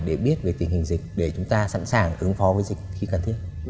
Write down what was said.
để biết về tình hình dịch để chúng ta sẵn sàng ứng phó với dịch khi cần thiết